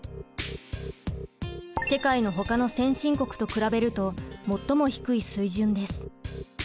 世界のほかの先進国と比べると最も低い水準です。